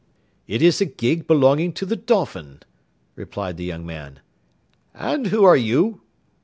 "It is a gig belonging to the Dolphin," replied the young man. "And who are you?"